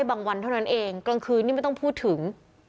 วันเท่านั้นเองกลางคืนนี่ไม่ต้องพูดถึง